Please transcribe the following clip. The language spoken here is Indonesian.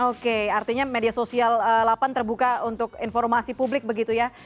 oke artinya media sosial delapan terbuka untuk informasi publik begitu ya